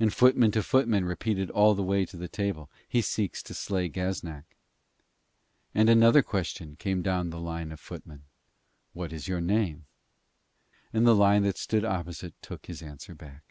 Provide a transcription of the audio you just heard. And footman to footman repeated all the way to the table: 'He seeks to slay Gaznak.' And another question came down the line of footmen: 'What is your name?' And the line that stood opposite took his answer back.